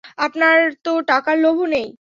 আপনার তো টাকার লোভও নেই।